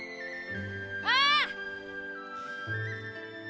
ああ！